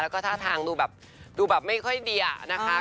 แล้วก็ท่าทางดูแบบดูแบบไม่ค่อยดีอะนะคะ